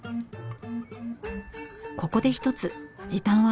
ここで一つ時短ワザ！